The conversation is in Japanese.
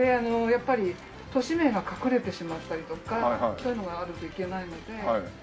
やっぱり都市名が隠れてしまったりとかそういうのがあるといけないので。